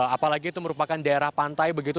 apalagi itu merupakan daerah pantai begitu